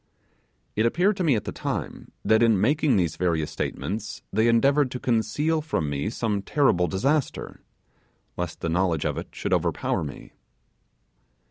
It appeared to me, at the time, that in making these various statements they endeavoured to conceal from me some terrible disaster, lest the knowledge of it should overpower me.